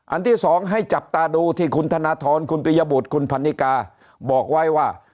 ที่สองให้จับตาดูที่คุณธนทรคุณปริยบุตรคุณพันนิกาบอกไว้ว่า